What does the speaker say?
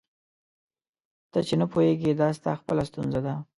ته چي نه پوهېږې دا ستا خپله ستونزه ده.